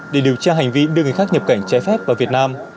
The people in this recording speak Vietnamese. để điều tra hành vi đưa người khác nhập cảnh trái phép vào việt nam